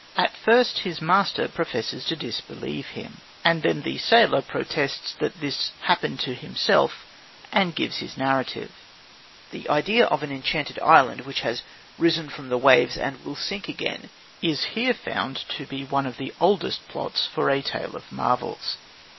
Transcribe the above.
At first his master professes to disbelieve him, and then the sailor protests that this happened to himself, and gives his narrative. The idea of an enchanted island, which has risen from the waves and will sink again, is here found to be one of the oldest plots for a tale of marvels.